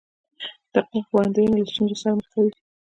دقیقې وړاندوینې له ستونزو سره مخ کوي.